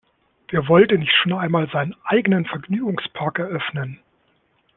Wer wollte nicht schon einmal seinen eigenen Vergnügungspark eröffnen?